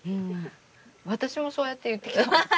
私もそうやって言ってきた。